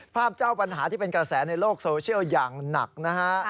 เจ้าปัญหาที่เป็นกระแสในโลกโซเชียลอย่างหนักนะฮะ